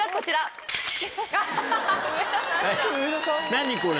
何これ。